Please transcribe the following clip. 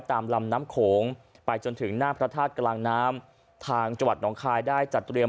ตามลำน้ำโขงไปจนถึงหน้าพระธาตุกลางน้ำทางจังหวัดหนองคายได้จัดเตรียม